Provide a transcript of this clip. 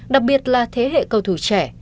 đặc biệt là thế hệ cầu thủ trẻ